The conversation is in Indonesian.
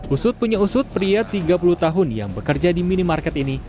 usut punya usut pria tiga puluh tahun yang bekerja di minimarket ini